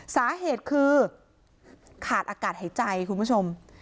สาเหตุคือขาดอากาศหายใจคุณผู้ชม